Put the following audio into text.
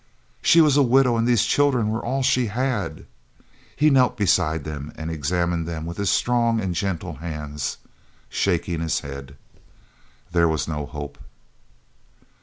She was a widow and these children were all she had. He knelt beside them and examined them with his strong and gentle hands, shaking his head. There was no hope.